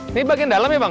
ini bagian dalam ya bang